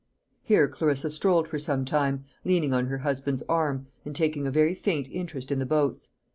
Here Clarissa strolled for some time, leaning on her husband's arm, and taking a very faint interest in the boats.